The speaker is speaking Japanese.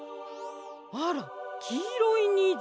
あらきいろいにじ。